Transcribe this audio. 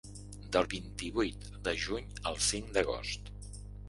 Del vint-i-vuit de juny al cinc d’agost.